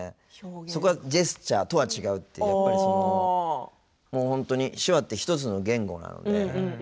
そこはジェスチャーとは違う本当に手話って１つの言語なので。